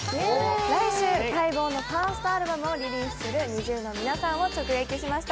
来週、待望のファーストアルバムをリリースするＮｉｚｉＵの皆さんを直撃しました。